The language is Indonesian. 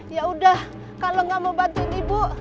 ya udah kalo gak mau bantuin ibu